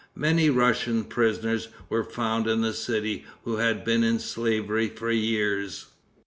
Many Russian prisoners were found in the city who had been in slavery for years.